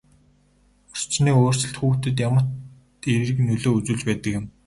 Орчны өөрчлөлт хүүхдэд ямагт эерэг нөлөө үзүүлж байдаг юм.